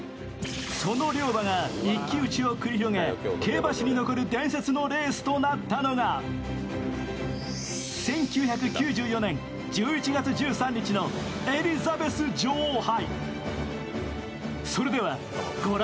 その両馬が一騎打ちを繰り広げ、競馬史に残る伝説のレースとなったのが１９９４年１１月１３日のエリザベス女王杯。